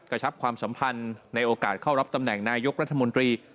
ชับความสัมพันธ์ในโอกาสเข้ารับตำแหน่งนายกรัฐมนตรี